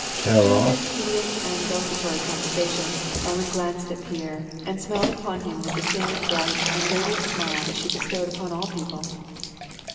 Ihir ing their tedious and desultory conversation, Ellen glanced at Pierre, and smiled upon him with the same bright and radiant smile that she bestowed upon all people.